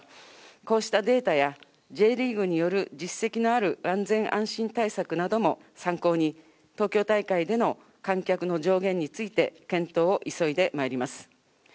こうしたデータやＪリーグによる実績のある安全安心対策なども参考に、東京大会での観客の上限について検討を急いでまいります。